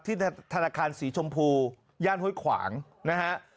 ที่ธนาคารสีชมพูย่านโฮยขวังนะฮะ